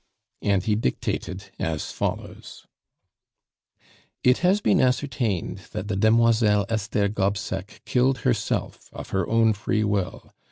And he dictated as follows: "It has been ascertained that the Demoiselle Esther Gobseck killed herself of her own free will.